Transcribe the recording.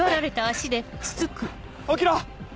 起きろ！